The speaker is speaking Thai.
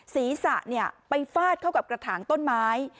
ศีรษะไปฟาดเข้ากับกระถางต้นไม้